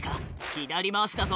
左回しだぞ」